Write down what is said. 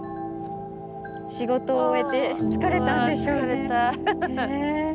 仕事を終えて疲れたんでしょうね。